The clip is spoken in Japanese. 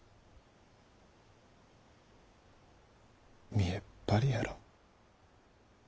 見えっ張りやろ。